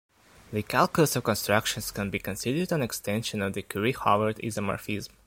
The Calculus of Constructions can be considered an extension of the Curry-Howard isomorphism.